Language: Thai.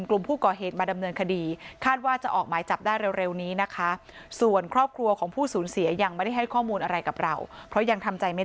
กลุ่มผู้ก่อเหตุมาดำเนินคดีคาดว่าจะออกหมายจับได้เร็วเร็วนี้นะคะ